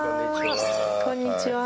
こんにちは。